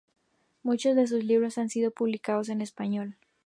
Muchos de sus libros han sido publicados en español.